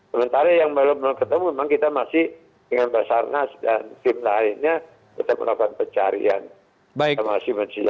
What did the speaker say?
sementara yang belum ketemu memang kita masih dengan basarnas dan tim lainnya tetap melakukan pencarian